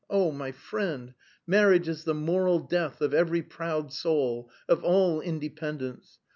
Oh, my friend, marriage is the moral death of every proud soul, of all independence.